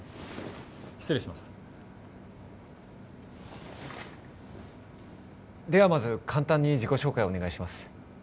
失礼しますではまず簡単に自己紹介をお願いします